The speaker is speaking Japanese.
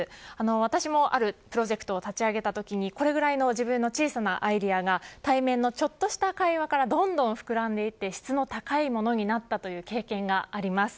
私もあるプロジェクトを立ち上げたときにこのぐらいの自分の小さなアイデアが対面のちょっとした会話からどんどん膨らんでいって質の高いものになったという経験があります。